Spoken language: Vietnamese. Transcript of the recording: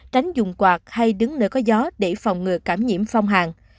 tránh dùng quạt hay đứng nơi có gió để phòng ngừa cảm nhiễm phong hàng